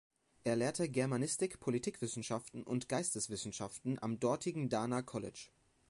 Er lehrte Germanistik, Politikwissenschaften und Geisteswissenschaften am dortigen Dana College.